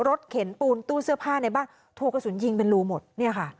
เข็นปูนตู้เสื้อผ้าในบ้านถูกกระสุนยิงเป็นรูหมดเนี่ยค่ะ